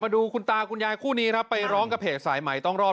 ดูคุณตาคุณยายคู่นี้ครับไปร้องกับเพจสายใหม่ต้องรอด